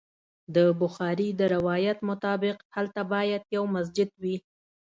د بخاري د روایت مطابق هلته باید یو مسجد وي.